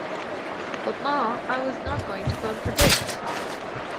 But Ma, I was not going to contradict.